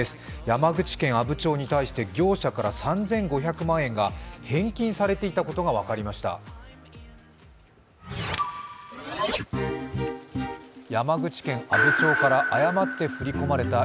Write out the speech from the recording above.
山口県阿武町に対して業者から３５００万円が返金されていたことが分かりました。